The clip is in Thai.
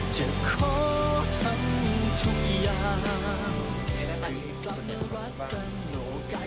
ใช่ครับเรียกเหนืออะไรอย่างนี้